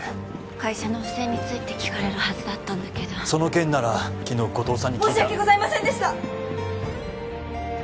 会社の不正について聞かれるはずだったんだけどその件なら昨日後藤さんに聞いた申し訳ございませんでした！